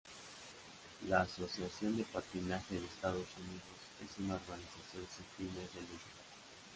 La Asociación de patinaje de Estados Unidos es una organización sin fines de lucro.